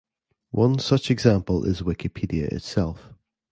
One such example is Wikipedia itself.